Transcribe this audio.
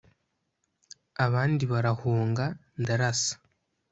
abandi barahunga ndarasa.